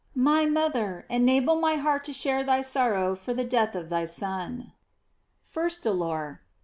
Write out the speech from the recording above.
My mother, enablw my heart to share thy sorrow for the death Of thy Son. First Dolor.